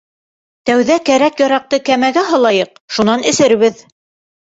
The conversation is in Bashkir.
— Тәүҙә кәрәк-яраҡты кәмәгә һалайыҡ, шунан эсербеҙ.